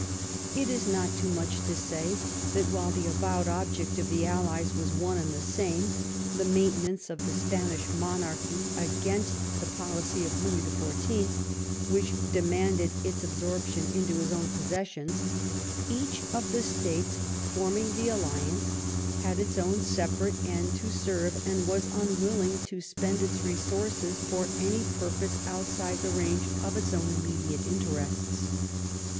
THE RBI6N OF QUEEN ANNE It is not too much to say that, while the avowed object of the allies was one and the same — ^the maintenance of the Spanish monarchy against the policy of Louis the Fourteenth, which demanded its absorption into his own possessions — each of the states forming the alliance had its own separate end to serve, and was un willing to spend its resources for any purpose outside the range of its own immediate interests.